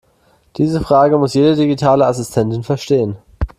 Diese Frage muss jede digitale Assistentin verstehen.